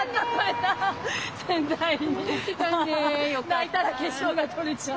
泣いたら化粧が取れちゃう。